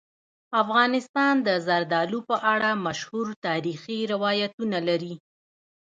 افغانستان د زردالو په اړه مشهور تاریخی روایتونه لري.